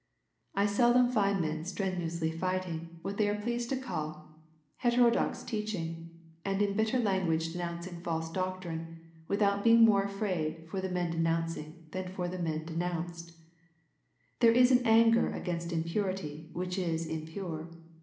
I seldom find men strenuously fighting what they are pleased to call heterodox teaching, and in bitter language denouncing false doctrine, without being more afraid for the men denouncing than for the men denounced. There is an anger against impurity which is impure.